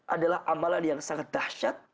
adalah amalan yang sangat dahsyat